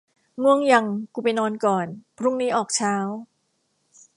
ง่วงยัง กูไปนอนก่อน พรุ่งนี้ออกเช้า